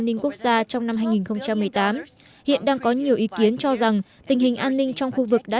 an ninh quốc gia trong năm hai nghìn một mươi tám hiện đang có nhiều ý kiến cho rằng tình hình an ninh trong khu vực đã